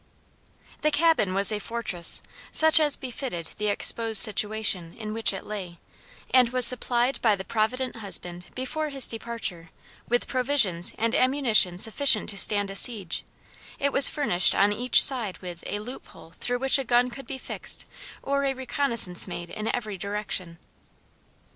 The cabin was a fortress, such as befitted the exposed situation in which it lay, and was supplied by the provident husband before his departure with provisions and ammunition sufficient to stand a siege: it was furnished on each side with, a loop hole through which a gun could be fixed or a reconnoisance made in every direction.